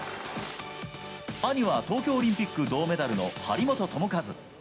兄は東京オリンピック銅メダルの張本智和。